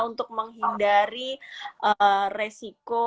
untuk menghindari resiko